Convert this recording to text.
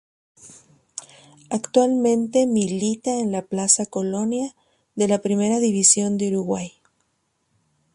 Actualmente milita en el Plaza Colonia de la Primera División de Uruguay.